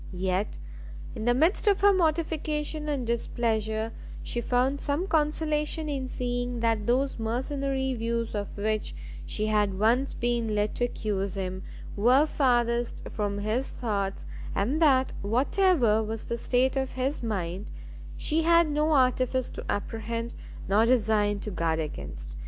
Yet, in the midst of her mortification and displeasure, she found some consolation in seeing that those mercenary views of which she had once been led to accuse him, were farthest from his thoughts, and that whatever was the state of his mind, she had no artifice to apprehend, nor design to guard against.